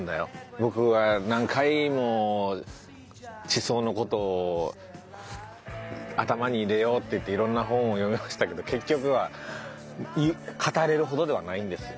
僕は何回も地層の事を頭に入れようっていって色んな本を読みましたけど結局は語れるほどではないんです。